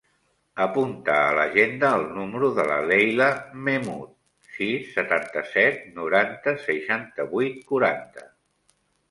Apunta a l'agenda el número de la Leila Mehmood: sis, setanta-set, noranta, seixanta-vuit, quaranta.